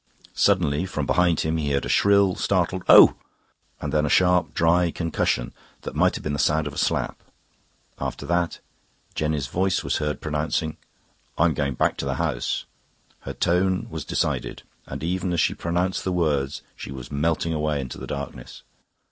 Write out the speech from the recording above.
Suddenly from behind him he heard a shrill, startled, "Oh!" and then a sharp, dry concussion that might have been the sound of a slap. After that, Jenny's voice was heard pronouncing, "I am going back to the house." Her tone was decided, and even as she pronounced the words she was melting away into the darkness.